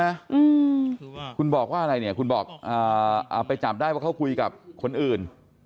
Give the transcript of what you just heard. อืมคุณบอกว่าอะไรเนี่ยคุณบอกอ่าอ่าไปจับได้ว่าเขาคุยกับคนอื่น